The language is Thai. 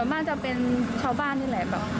ส่วนบ้างจะเป็นชาวบ้านนี่แหละ